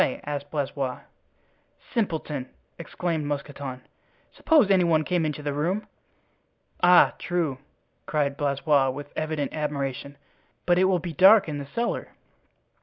asked Blaisois. "Simpleton!" exclaimed Mousqueton; "suppose any one came into the room." "Ah, true," cried Blaisois, with evident admiration; "but it will be dark in the cellar."